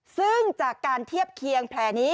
ซึ่งจากการเทียบเคียงแผลนี้